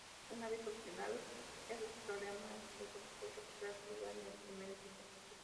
Una vez solucionados estos problemas le costó recuperar su lugar en el primer equipo.